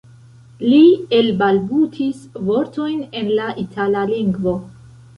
Li elbalbutis vortojn en la itala lingvo.